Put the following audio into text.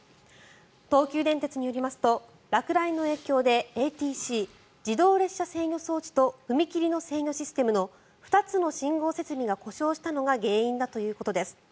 東急電鉄によりますと落雷の影響でＡＴＣ・自動列車制御装置と踏切の制御システムの２つの信号設備が故障したのが原因だということです。